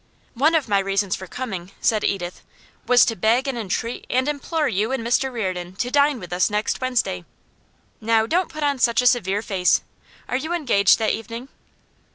'One of my reasons for coming,' said Edith, 'was to beg and entreat and implore you and Mr Reardon to dine with us next Wednesday. Now, don't put on such a severe face! Are you engaged that evening?